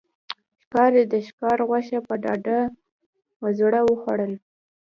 ښکاري د ښکار غوښه په ډاډه زړه وخوړل.